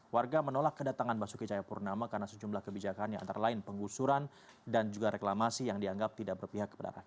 warga menolak kedatangan basuki cahayapurnama karena sejumlah kebijakannya antara lain penggusuran dan juga reklamasi yang dianggap tidak berpihak kepada rakyat